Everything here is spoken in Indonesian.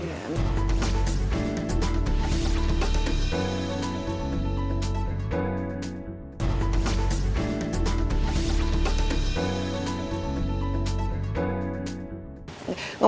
sepertinya berubah menjadi